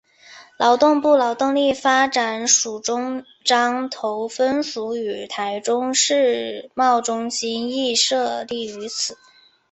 劳动部劳动力发展署中彰投分署与台中世贸中心亦设立于此。